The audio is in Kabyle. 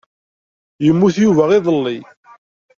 Yemmut Yuba iḍelli.